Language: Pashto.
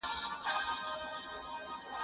زه ليکنې کړي دي